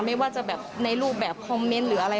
ไม่ว่าจะแบบในรูปแบบคอมเมนต์หรืออะไร